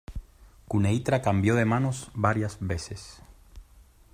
Quneitra cambió de manos varias veces.